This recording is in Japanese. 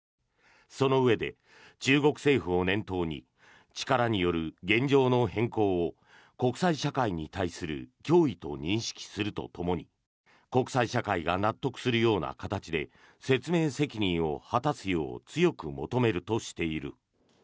そのうえで中国政府を念頭に力による現状の変更を国際社会に対する脅威と認識するとともに国際社会が納得するような形で説明責任を果たすよう強く求めるとしている。